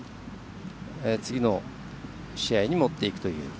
次の試合に持っていくという。